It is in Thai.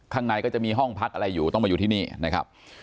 ข้างในก็จะมีห้องพักอะไรอยู่ต้องมาอยู่ที่นี่นะครับ